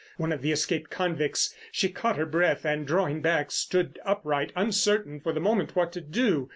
One of the escaped convicts! She caught her breath, and drawing back stood upright, uncertain for the moment what to do.